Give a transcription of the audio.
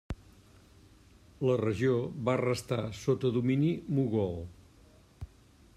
La regió va restar sota domini mogol.